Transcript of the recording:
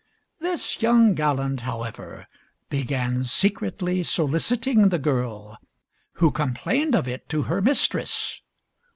This young gallant, however, began secretly soliciting the girl, who complained of it to her mistress.